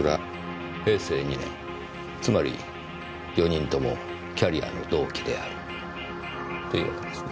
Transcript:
平成２年つまり４人ともキャリアの同期であるというわけですね？